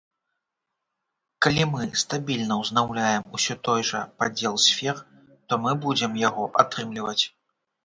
Калі мы стабільна ўзнаўляем усё той жа падзел сфер, то мы будзем яго атрымліваць.